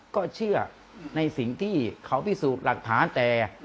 ก็เชื่อในสิ่งที่เขาพิสูจน์หลักฐานแต่